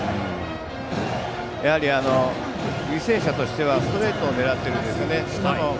やはり、履正社としてはストレートを狙っていますね。